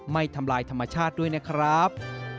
ทำลายธรรมชาติด้วยนะครับ